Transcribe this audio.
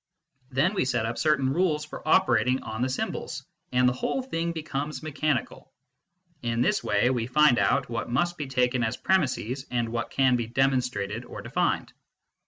Then we set up certain rules for operating on the symbols, and the whole thing becomes mechanical. In this way we find out what must be taken as premiss and what can be demonstrated or defined.